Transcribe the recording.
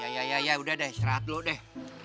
ya ya ya ya ya ya udah deh istirahat dulu deh